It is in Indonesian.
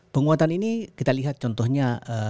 penguatan ini kita lihat contohnya